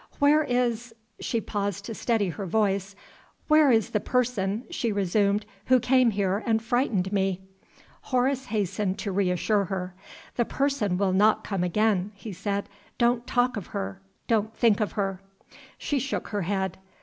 "Where is " She paused to steady her voice. "Where is the person," she resumed, "who came here and frightened me?" Horace hastened to re assure her. "The person will not come again," he said. "Don't talk of her! Don't think of her!" She shook her head.